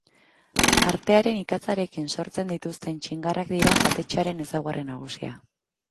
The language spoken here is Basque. Artearen ikatzarekin sortzen dituzten txingarrak dira jatetxearen ezaugarri nagusia.